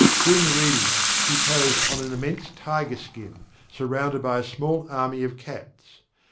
During the reading she posed on an immense tiger skin, surrounded by a small army of cats.